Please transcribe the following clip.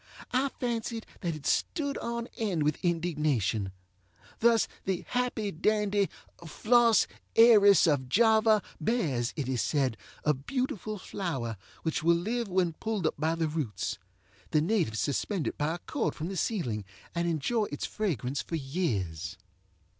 I fancied that it stood on end with indignation. Thus the happy dandy Flos Aeris of Java bears, it is said, a beautiful flower, which will live when pulled up by the roots. The natives suspend it by a cord from the ceiling and enjoy its fragrance for years.